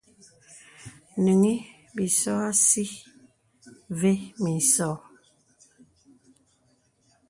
Nīŋhi bīsò àsí və̀ mì ìsō.